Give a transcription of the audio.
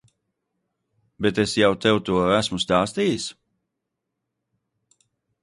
Bet es jau tev to esmu stāstījis?